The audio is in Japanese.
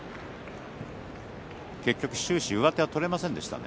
終始上手が取れませんでしたね。